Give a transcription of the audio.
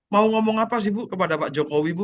mau ngomong apa sih bu kepada pak jokowi bu